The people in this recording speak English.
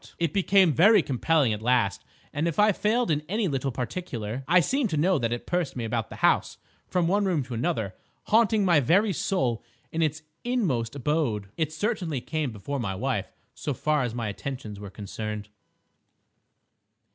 It became very compelling at last, and, if I failed in any little particular, I seemed to know that it pursued me about the house, from one room to another, haunting my very soul in its inmost abode. It certainly came before my wife so far as my attentions were concerned.